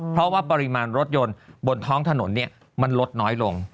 เพราะว่าปริมาณรถยนต์บนท้องถนนมันลดน้อยลง